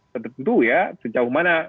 tertentu ya sejauh mana